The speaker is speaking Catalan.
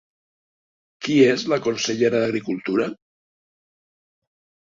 Qui és la consellera d'Agricultura?